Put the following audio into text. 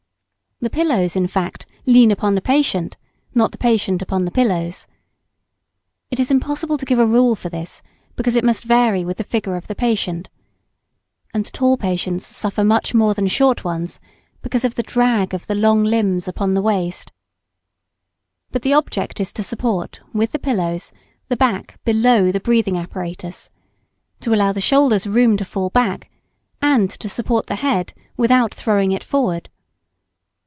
The pillows, in fact, lean upon the patient, not the patient upon the pillows. It is impossible to give a rule for this, because it must vary with the figure of the patient. And tall patients suffer much more than short ones, because of the drag of the long limbs upon the waist. But the object is to support, with the pillows, the back below the breathing apparatus, to allow the shoulders room to fall back, and to support the head, without throwing it forward.